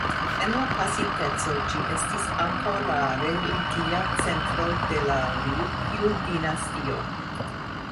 En la pasinteco ĝi estis ankaŭ la religia centro de la Rjukju-dinastio.